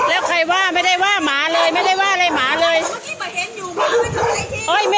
อาจจะเบามาเจอสายพล้อมยังไหว